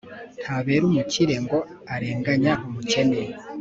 ntabera umukire ngo arenganye umukene